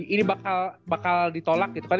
ini bakal ditolak gitu kan